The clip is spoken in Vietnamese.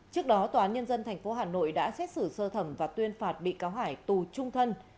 trước đó tòa án nhân dân tp hà nội đã xét xử sơ thẩm và tuyên phạt bị cáo hải tù trung thân